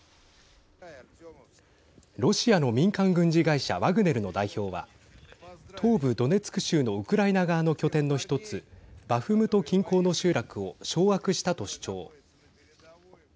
ロシアの民間軍事会社ワグネルの代表は東部ドネツク州のウクライナ側の拠点の１つバフムト近郊の集落を掌握したと主張。